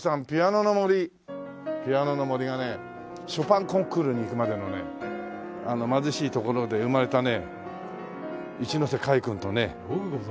『ピアノの森』がねショパンコンクールにいくまでのね貧しいところで生まれたね一ノ瀬海君とね。よくご存じですね。